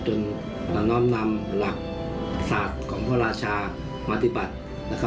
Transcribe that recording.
น้อมนำหลักศาสตร์ของพระราชามาปฏิบัติ